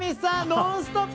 「ノンストップ！」